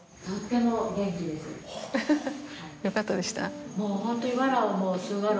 フフフよかったでした？